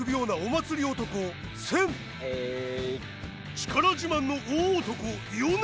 力自慢の大男ヨネ。